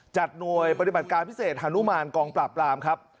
จัดหน่วยปฏิบัติการพิเศษฮานุมานกองปราบปรามครับ